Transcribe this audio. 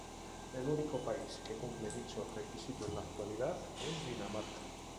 El único país que cumple dicho requisito en la actualidad es Dinamarca.